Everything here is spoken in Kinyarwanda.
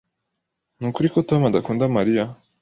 Nukuri ko Tom adakunda Mariya?